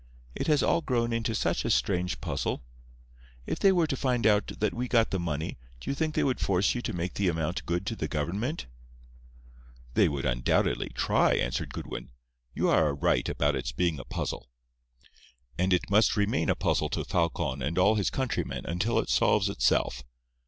It has all grown into such a strange puzzle. If they were to find out that we got the money do you think they would force you to make the amount good to the government?" "They would undoubtedly try," answered Goodwin. "You are right about its being a puzzle. And it must remain a puzzle to Falcon and all his countrymen until it solves itself.